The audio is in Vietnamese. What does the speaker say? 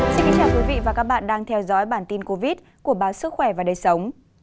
chào mừng quý vị đến với bản tin covid một mươi chín của báo sức khỏe và đời sống